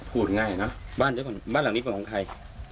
พูดง่ายเนอะบ้านเจ้าก่อนบ้านหลังนี้เป็นของใคร